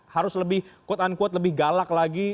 harus lebih quote unquote lebih galak lagi